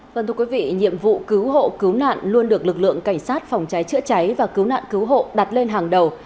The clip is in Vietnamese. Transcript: vâng thưa quý vị nhiệm vụ cứu hộ cứu nạn luôn được lực lượng cảnh sát phòng cháy chữa cháy và cứu nạn cứu hộ đặt lên hàng đầu